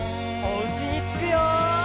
おうちにつくよ！